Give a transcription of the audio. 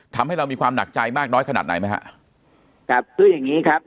ทำให้เรามีความหนักใจมากน้อยขนาดไหนไหมฮะครับคืออย่างงี้ครับ